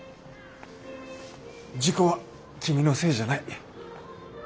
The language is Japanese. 事故は君のせいじゃない。